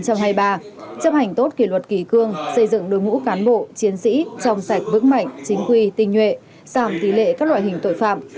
chấp hành tốt kỷ luật kỳ cương xây dựng đối ngũ cán bộ chiến sĩ trong sạch vững mạnh chính quy tinh nhuệ giảm tỷ lệ các loại hình tội phạm